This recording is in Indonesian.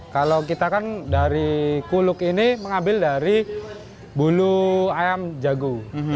kalau kita kan dari kuluk ini mengambil dari bulu ayam jago